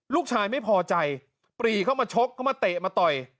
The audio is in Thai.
ลูกชายไม่พอใจปรีเข้ามาชกเข้ามาเตะมาต่อย